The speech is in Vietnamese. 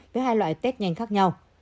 với hai loại test nhanh khác nhau